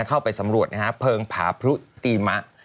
เข้าไปสำรวจนะฮะเพลิงผาพรุตีมะ